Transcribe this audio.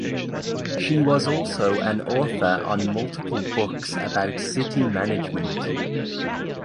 She was also an author on multiple books about city management.